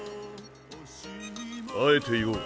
あえて言おう。